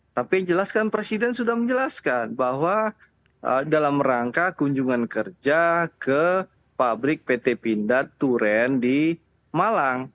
tapi yang jelas kan presiden sudah menjelaskan bahwa dalam rangka kunjungan kerja ke pabrik pt pindad turen di malang